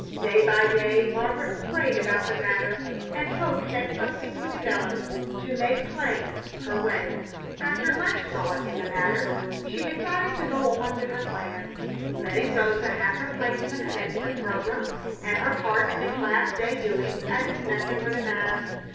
Day by day Margaret prayed about the matter and hoped that something would develop to make plain her way. After much thought in the matter she decided to go on with her plans, letting Rosa have her place in the Commencement program and her part in the class day doings as if nothing were the matter.